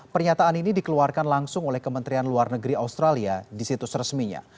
pernyataan ini dikeluarkan langsung oleh kementerian luar negeri australia di situs resminya